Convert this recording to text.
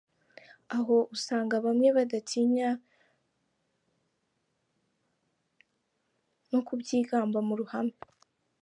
Aho usanga bamwe badatinya no kubyigamba mu ruhame.